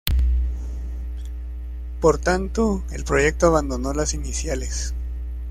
Por tanto, el proyecto abandonó las iniciales.